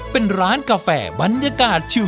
เป็นร้านกาแฟบรรยากาศชิว